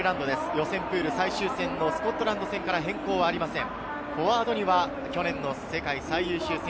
予選プール最終戦のスコットランド戦から変更はありません。